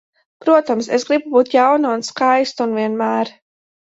Protams, es gribu būt jauna un skaista, un vienmēr.